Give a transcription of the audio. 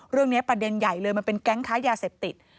ประเด็นใหญ่เลยมันเป็นแก๊งค้ายาเสพติด